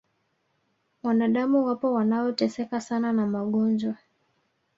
wanadamu wapo wanaoteseka sana na magonjwa